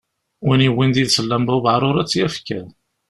Win yewwin yid-s llamba ubeεṛur ad tt-yaf kan.